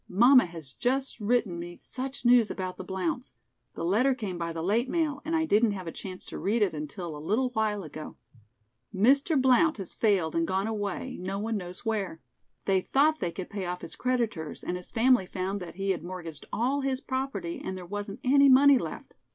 "Mamma has just written me such news about the Blounts. The letter came by the late mail and I didn't have a chance to read it until a little while ago. Mr. Blount has failed and gone away, no one knows where. They thought they could pay off his creditors and his family found that he had mortgaged all his property and there wasn't any money left."